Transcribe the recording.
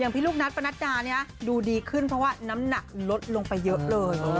พี่ลูกนัทปนัดดาเนี่ยดูดีขึ้นเพราะว่าน้ำหนักลดลงไปเยอะเลย